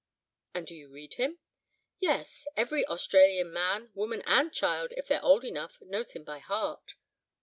"And do you read him?" "Yes. Every Australian man, woman, and child, if they're old enough, knows him by heart."